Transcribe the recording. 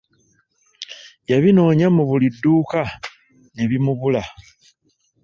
Yabinoonya mu buli dduuka ne bimubula.